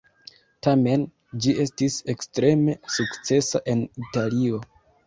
Tamen, ĝi estis ekstreme sukcesa en Italio.